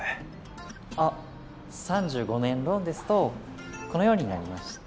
あっ３５年ローンですとこのようになりまして。